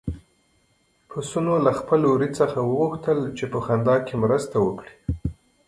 پسونو له خپل وري څخه وغوښتل چې په خندا کې مرسته وکړي.